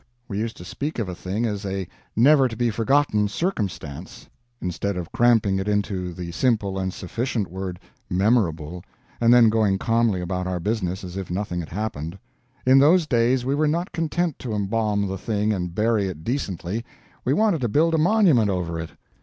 We used to speak of a thing as a "never to be forgotten" circumstance, instead of cramping it into the simple and sufficient word "memorable" and then going calmly about our business as if nothing had happened. In those days we were not content to embalm the thing and bury it decently, we wanted to build a monument over it.